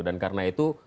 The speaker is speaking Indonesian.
dan karena itu